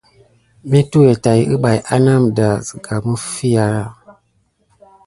Mesuwa tät kuɓaï aname ɗa daka sika mifiya.